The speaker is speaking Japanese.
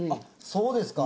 そうですか。